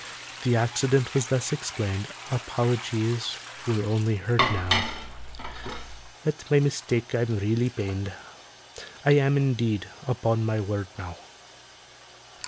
The accident was thus explained, Apologies were only heard now: "At my mistake I'm really pained— I am, indeed—upon my word now.